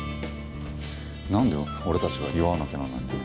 なんで俺たちが祝わなきゃなんないんだ。